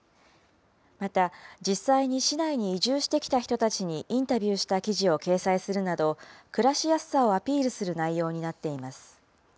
また、実際に市内に移住してきた人たちにインタビューした記事を掲載するなど、暮らしやすさをアピールする内容となっています。